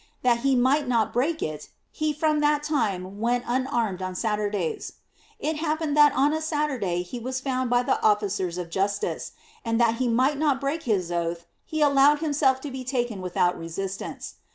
That he might not break it, he from that time went unarmed on Saturdays. It hap pened that on a Saturday he was found by the officers of justice, and that he might not break his oath, he allowed himself to be taken with out resistance.